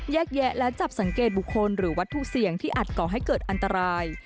แยะและจับสังเกตบุคคลหรือวัตถุเสี่ยงที่อาจก่อให้เกิดอันตราย